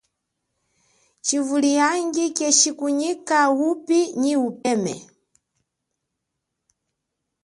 Tshivuliangi keshikunyika wupi nyi upeme.